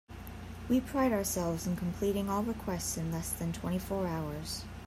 We pride ourselves in completing all requests in less than twenty four hours.